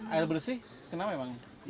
air bersih kenapa emang